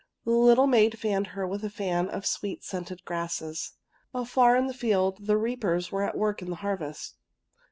The little maid fanned her with a fan of sweet scented grasses. Afar in the field the reapers were at work in the harvest.